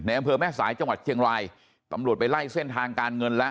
อำเภอแม่สายจังหวัดเชียงรายตำรวจไปไล่เส้นทางการเงินแล้ว